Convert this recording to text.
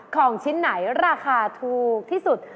ของชิ้นไหนราคาถูกที่สุด